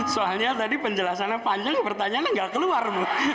soalnya tadi penjelasannya panjang pertanyaannya nggak keluar